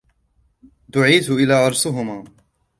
دُعيتُ إلى عرسهما.